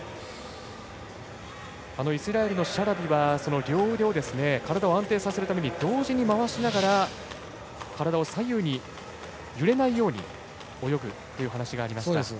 イスラエルのシャラビは、両腕を体を安定させるために同時に回しながら体を左右に揺れないように泳ぐという話がありました。